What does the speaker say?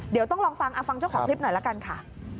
เดี๋ยวต้องลองฟังฟังเจ้าของคลิปหน่อยละกันค่ะ